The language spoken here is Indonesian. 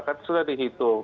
karena sudah dihitung